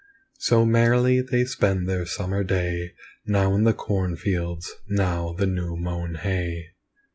So merrily they spend their summer day, Now in the cornfields, now the new mown hay.